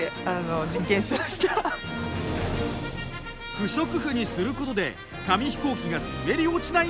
不織布にすることで紙飛行機が滑り落ちないんだとか。